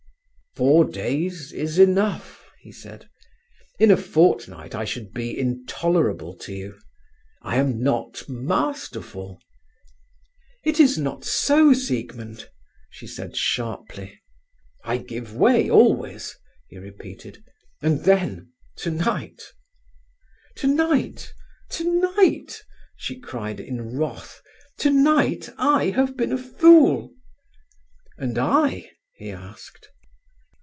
"Four days is enough," he said. "In a fortnight I should be intolerable to you. I am not masterful." "It is not so, Siegmund," she said sharply. "I give way always," he repeated. "And then—tonight!" "Tonight, tonight!" she cried in wrath. "Tonight I have been a fool!" "And I?" he asked.